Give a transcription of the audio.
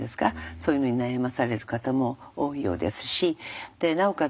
そういうのに悩まされる方も多いようですしでなおかつ